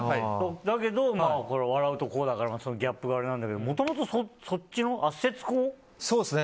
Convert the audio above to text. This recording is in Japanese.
だけど、笑うとこうだからギャップがあれなんだけどもともとそっちの圧接工？